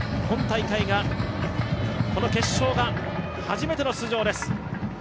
今大会がこの決勝が初めての出場です。